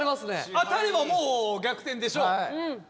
当たればもう逆転でしょ。